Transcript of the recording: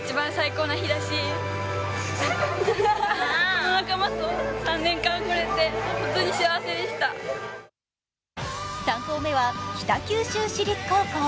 その特徴は３校目は北九州市立高校。